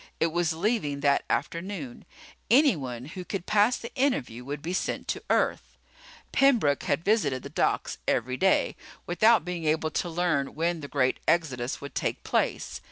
It was leaving that afternoon. Anyone who could pass the interview would be sent to Earth. Pembroke had visited the docks every day, without being able to learn when the great exodus would take place.